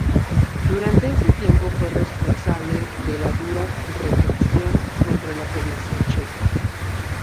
Durante ese tiempo fue responsable de la dura represión contra la población checa.